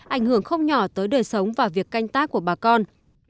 ảnh hưởng không nhỏ tới đời sống và việc canh tác của bà con